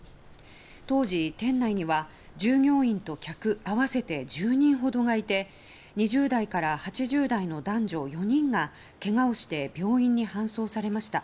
当時、店内には従業員と客合わせて１０人ほどがいて２０代から８０代の男女４人がけがをして病院に搬送されました。